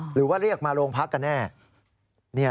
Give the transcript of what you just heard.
หรือว่าเรียกมาโรงพักกันแน่